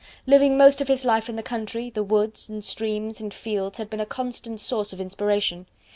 Living most of his life in the country, the woods, and streams and fields had been a constant source of inspiration.